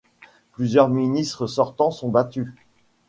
Plusieurs ministres sortants sont battus.